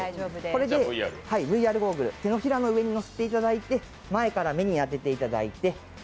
これでＶＲゴーグルを手のひらの上に乗せていただいて前から目に当てていただいて。